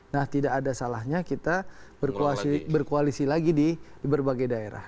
nah tidak ada salahnya kita berkoalisi lagi di berbagai daerah